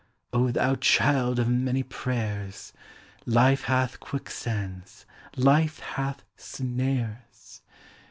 O thou child of many prayers! Life hath quicksands. Life hath snares!